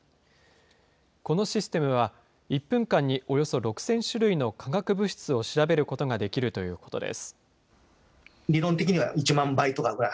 このシステムは１分間におよそ６０００種類の化学物質を調べることができるということです。